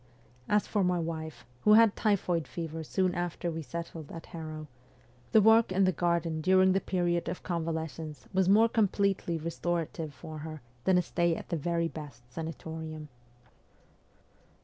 As for my wife, who had typhoid fever soon after we settled at Harrow, the work in the garden during the period of convalescence was more completely restorative for her than a stay at the very best sanatorium.